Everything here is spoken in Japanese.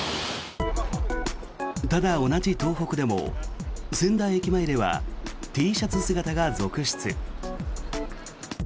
ただ、同じ東北でも仙台駅前ではＴシャツ姿が続出。